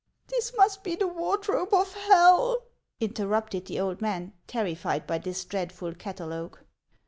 "This must lie the wardrobe of hell!" interrupted the old man, terrified by this dreadful catalogue.